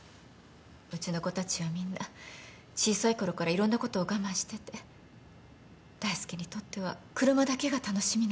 うちの子たちはみんな小さい頃からいろんなことを我慢してて大介にとっては車だけが楽しみなの。